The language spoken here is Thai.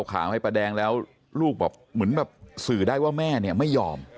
ลูกถามให้ป้าแดงแล้วลูกสื่อได้ว่าแม่ไม่ยอม